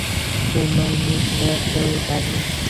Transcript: সুনয়নী ছিল একটা ডাইনি।